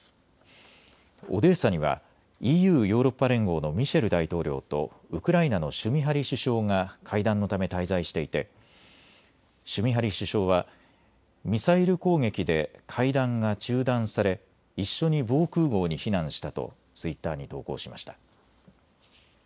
オデーサにはＥＵ・ヨーロッパ連合のミシェル大統領とウクライナのシュミハリ首相が会談のため滞在していてシュミハリ首相はミサイル攻撃で会談が中断され一緒に防空ごうに避難したとツイッターに投稿しました。